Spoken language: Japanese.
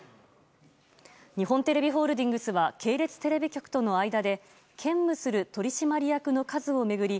日本テレビホールディングスは系列テレビ局との間で兼務する取締役の数を巡り